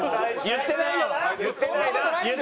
言ってないな？